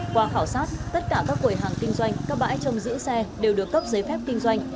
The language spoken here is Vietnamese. qua khảo sát tất cả các quầy hàng kinh doanh các bãi trong giữ xe đều được cấp giấy phép kinh doanh